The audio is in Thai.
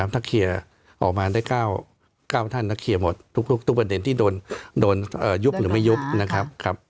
ถ้าเคลียร์ออกมาได้๙ท่านถ้าเคลียร์หมดทุกประเด็นที่โดนยุบหรือไม่ยุบนะครับ